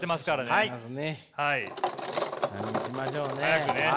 何にしましょうね。